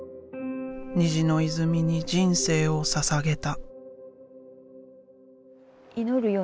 「虹の泉」に人生をささげた。